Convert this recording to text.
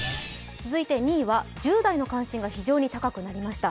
続いて２位は１０代の関心が非常に高くなりました。